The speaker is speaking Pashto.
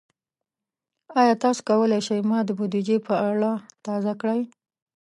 ایا تاسو کولی شئ ما د بودیجې په اړه تازه کړئ؟